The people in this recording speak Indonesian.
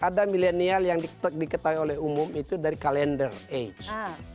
ada milenial yang diketahui oleh umum itu dari kalender h